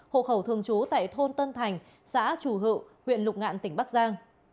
hộ khẩu thường trú tại thôn tân thành xã chủ hữu huyện lục ngạn tỉnh bắc giang